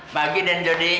pagi den jodi